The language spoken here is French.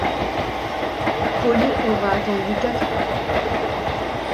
Pauli aura attendu quatre ans.